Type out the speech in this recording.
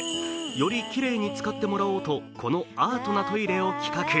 よりきれいに使ってもらおうとこのアートなトイレを企画。